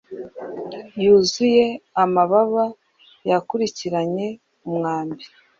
Yuzuye amababa yakurikiranye umwambi